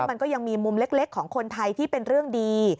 มันก็ยังมีมุมเล็กของคนไทยที่เป็นเรื่องดี